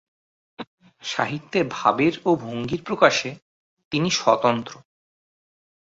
সাহিত্যে ভাবের ও ভঙ্গির প্রকাশে তিনি স্বতন্ত্র।